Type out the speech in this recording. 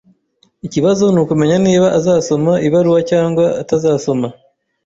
Ikibazo nukumenya niba azasoma ibaruwa cyangwa atazasoma